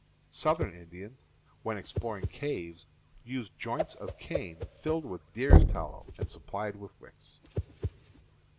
Southern Indians, when exploring caves, used joints of cane filled with deer's tallow and supplied with wicks.